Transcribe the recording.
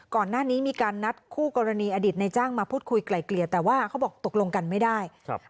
ก่อนหน้านี้มีการนัดคู่กรณีอดีตในจ้างมาพูดคุยไกล่เกลี่ยแต่ว่าเขาบอกตกลงกันไม่ได้ครับ